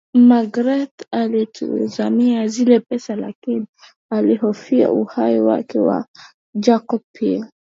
Magreth alizitamani zile pesa lakini alihofia uhai wake na wa Jacob pia